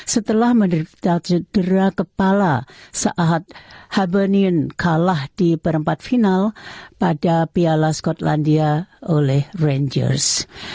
setelah menderita cedera kepala saat havenin kalah di perempat final pada piala skotlandia oleh rangers